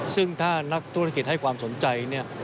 ซึ่งถ้านักธุรกิจให้ความสนใจเนี่ย